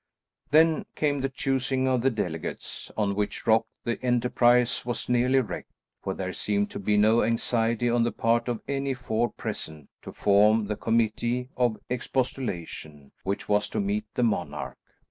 Then came the choosing of the delegates, on which rock the enterprise was nearly wrecked, for there seemed to be no anxiety on the part of any four present to form the committee of expostulation which was to meet the monarch.